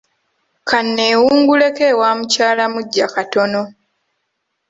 Ka neewunguleko ewa mukyala muggya katono.